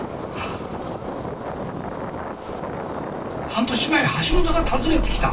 半年前橋本が訪ねてきた。